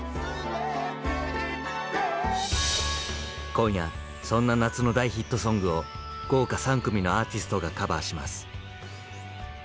今夜そんな夏の大ヒットソングを豪華３組のアーティストがカバーします。